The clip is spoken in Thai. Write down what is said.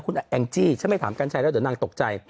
ขุนแอ้งจี้ฉ้าไม่ทำกันใช่แล้วเดี๋ยวนางตกใจ